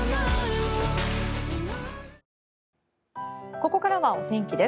ここからはお天気です。